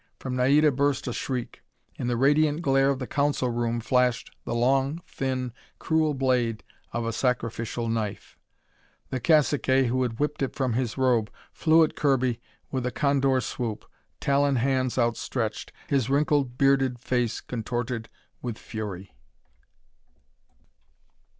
From Naida burst a shriek. In the radiant glare of the council room flashed the long, thin, cruel blade of a sacrificial knife. The cacique who had whipped it from his robe flew at Kirby with a condor swoop, talon hands outstretched, his wrinkled, bearded face contorted with fury.